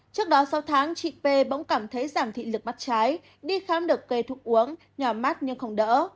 trước đó sáu tháng chị p bỗng cảm thấy giảm thị lực mắt trái đi khám được cây thuốc uống nhỏ mát nhưng không đỡ